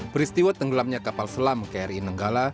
peristiwa tenggelamnya kapal selam kri nenggala